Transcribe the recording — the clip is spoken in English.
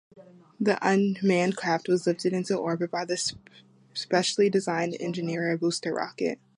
The unmanned craft was lifted into orbit by the specially designed Energia booster rocket.